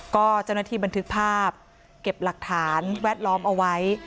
ก็เจ้าหน้าที่บันทึกภาพเก็บหลักฐานแวดล้อมเอาไว้